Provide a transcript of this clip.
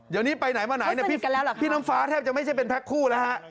เดี๋ยวนี้ไปไหนมาไหนเนี่ยพี่น้ำฟ้าแทบจะไม่ใช่เป็นแพ็คคู่แล้วฮะ